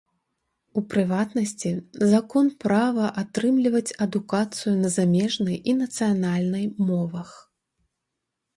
У прыватнасці, закон права атрымліваць адукацыю на замежнай і нацыянальнай мовах.